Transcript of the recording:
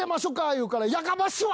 言うからやかましいわ！